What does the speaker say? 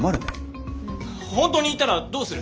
本当にいたらどうする？